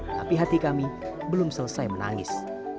tapi hati kami belum selesai menangis